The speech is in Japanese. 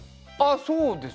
そうですね。